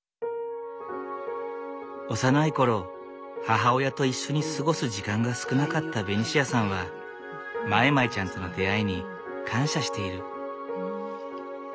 幼い頃母親と一緒に過ごす時間が少なかったベニシアさんはまいまいちゃんとの出会いに感謝している。